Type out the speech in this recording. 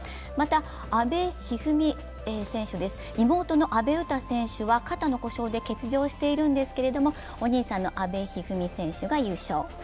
また阿部一二三選手です妹の阿部詩選手は肩の故障で欠場しているんですけれどもお兄さんの阿部一二三選手が優勝。